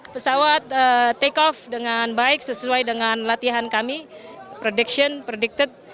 pesawat take off dengan baik sesuai dengan latihan kami prediction predicted